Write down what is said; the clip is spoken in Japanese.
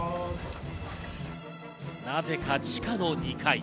なぜか地下の２階。